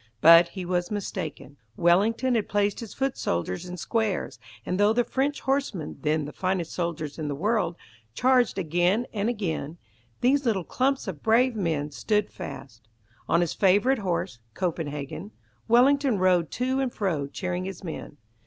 But he was mistaken. Wellington had placed his foot soldiers in squares, and though the French horsemen, then the finest soldiers in the world, charged again and again, these little clumps of brave men stood fast. On his favourite horse "Copenhagen", Wellington rode to and fro cheering his men.